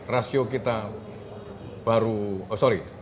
rasio kita baru oh sorry